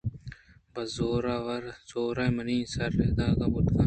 پہ زور منی سرا دیگ بوتگ انت